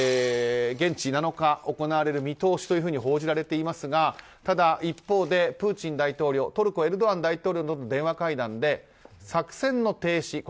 現地７日、行われる見通しと報じられていますがただ、一方でプーチン大統領トルコ、エルドアン大統領との電話会談で作戦の停止